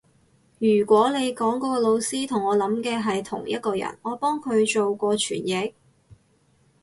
如果你講嗰個老師同我諗嘅係同一個人，我幫佢做過傳譯